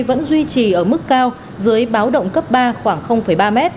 vẫn duy trì ở mức cao dưới báo động cấp ba khoảng ba m